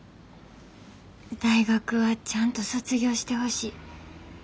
「大学はちゃんと卒業してほしい。